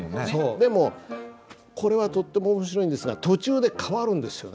でもこれはとっても面白いんですが途中で変わるんですよね。